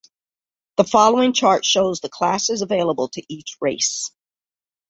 The following chart shows the classes available to each race.